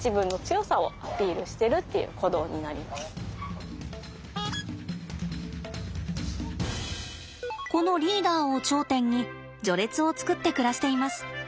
走っていってこのリーダーを頂点に序列を作って暮らしています。